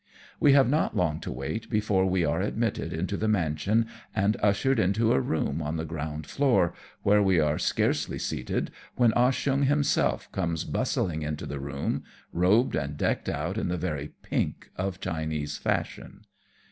We have not long to wait before we are admitted into the mansion, and ushered into a room on the ground floor, where we are scarcely seated when Ah Cheong himself comes bustling into the room, robed and decked out in the very pink of Chinese fashion.